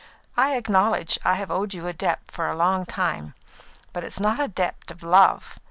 I acknowledge I have owed you a debt for a long time, but it's not a debt of love.